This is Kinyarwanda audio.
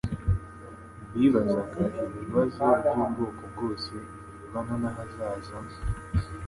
Bibazaga ibibazo by'ubwoko bwose birebana n'ahazaza,